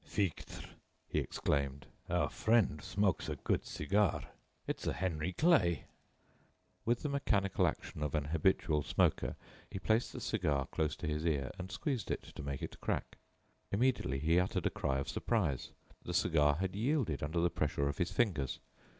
"Fichtre!" he exclaimed. "Our friend smokes a good cigar. It's a Henry Clay." With the mechanical action of an habitual smoker, he placed the cigar close to his ear and squeezed it to make it crack. Immediately he uttered a cry of surprise. The cigar had yielded under the pressure of his fingers.